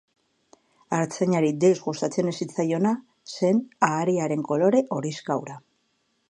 Artzainari deus gustatzen ez zitzaiona zen ahariaren kolore horixka hura.